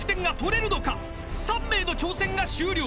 ［３名の挑戦が終了］